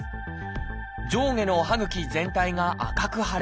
上下の歯ぐき全体が赤く腫れ